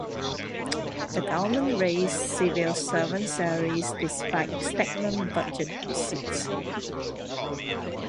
The government raised civil servant salaries despite stagnant budget receipts.